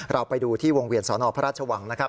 เราไปดูที่วงเวียนสนพระราชวังนะครับ